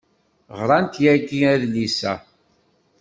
Ɣrant yagi adlis-a.